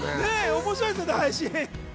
面白いですよね、配信。